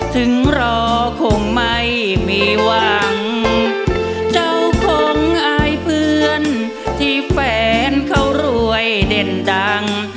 ถึงรอคงไม่มีหวังเจ้าของอายเพื่อนที่แฟนเขารวยเด่นดัง